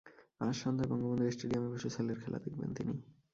আজ সন্ধ্যায় বঙ্গবন্ধু স্টেডিয়ামে বসে ছেলের খেলা দেখবেন তিনি।